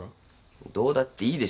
どうだっていいでしょ別に。